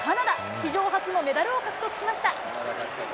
史上初のメダルを獲得しました。